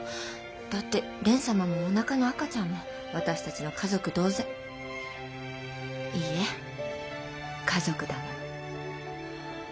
だって蓮様もおなかの赤ちゃんも私たちの家族同然いいえ家族だもの。